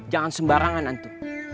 jangan sembarangan antum